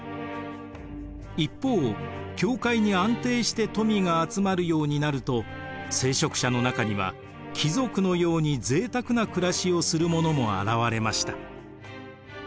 一方教会に安定して富が集まるようになると聖職者の中には貴族のようにぜいたくな暮らしをする者も現れました。